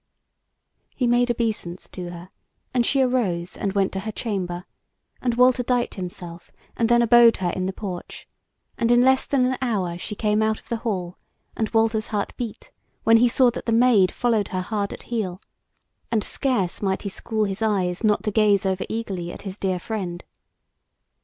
He made obeisance to her, and she arose and went to her chamber, and Walter dight himself, and then abode her in the porch; and in less than an hour she came out of the hall, and Walter's heart beat when he saw that the Maid followed her hard at heel, and scarce might he school his eyes not to gaze over eagerly at his dear friend.